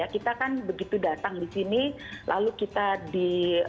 kita kan begitu datang di sini lalu kita di